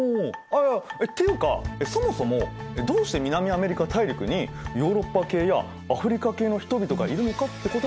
っていうかそもそもどうして南アメリカ大陸にヨーロッパ系やアフリカ系の人々がいるのかってことから調べる必要があるんじゃない？